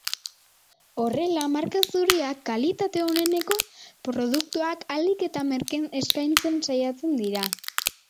Horrela, marka zuriak kalitate oneneko produktuak ahalik eta merkeen eskaintzen saiatzen dira.